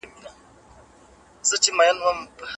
د وضعيت پوښتل او د موقع سره سم خبرې کول پکار دي.